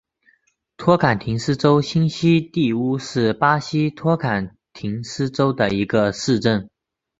托坎廷斯州新锡蒂乌是巴西托坎廷斯州的一个市镇。